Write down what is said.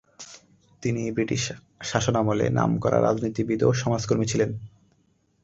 তিনি ব্রিটিশ শাসনামলে নামকরা রাজনীতিবিদ ও সমাজকর্মী ছিলেন।